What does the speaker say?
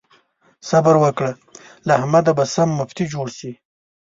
صبر وکړه؛ له احمده به سم مفتي جوړ شي.